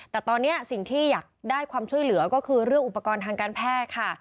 แต่ตอนนี้สิ่งที่อยากได้ความช่วยเหลือก็คือเรื่องอุปกรณ์ทางการแพทย์ค่ะ